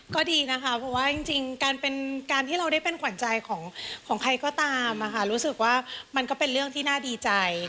ก็ดีนะคะเพราะว่าจริงการเป็นการที่เราได้เป็นขวัญใจของใครก็ตามรู้สึกว่ามันก็เป็นเรื่องที่น่าดีใจ